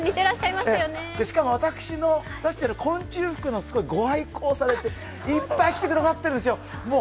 しかも、私の出している昆虫服をご愛好されて、いっぱい着てくださってるんですよ。